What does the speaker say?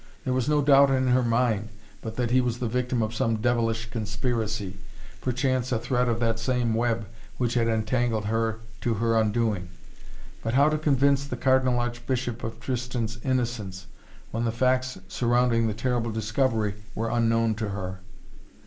There was no doubt in her mind, but that he was the victim of some devilish conspiracy perchance a thread of that same web which had entangled her to her undoing. But how to convince the Cardinal Archbishop of Tristan's innocence, when the facts surrounding the terrible discovery were unknown to her?